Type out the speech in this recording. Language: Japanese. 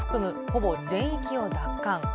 ほぼ全域を奪還。